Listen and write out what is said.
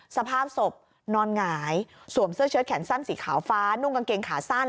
สภาพศพนอนหงายสวมเสื้อเชิดแขนสั้นสีขาวฟ้านุ่งกางเกงขาสั้น